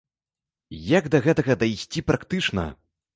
Як да гэтага дайсці практычна?